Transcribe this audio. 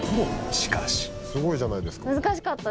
すごいじゃないですか。